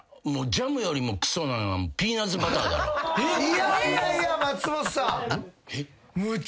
いやいやいや松本さん！